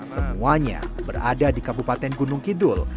semuanya berada di kabupaten gunung kidul